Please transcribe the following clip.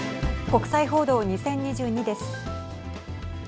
国際報道２０２２です。